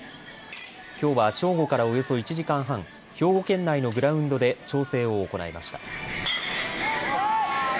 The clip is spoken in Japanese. きょうは正午からおよそ１時間半、兵庫県内のグラウンドで調整を行いました。